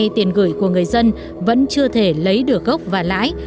tiền gửi của người dân vẫn chưa thể lấy được gốc và lãi